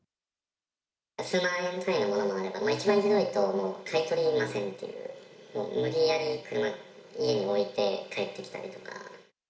数万円単位のものもあれば、一番ひどいともう買い取りませんっていう、無理やり車を家に置いて帰ってきたりとか。